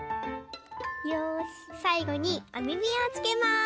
よしさいごにおみみをつけます。